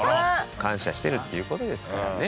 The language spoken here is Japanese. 感謝してるっていうことですからね。